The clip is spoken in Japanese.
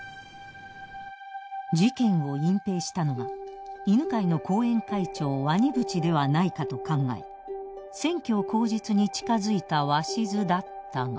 ［事件を隠蔽したのは犬飼の後援会長鰐淵ではないかと考え選挙を口実に近づいた鷲津だったが。］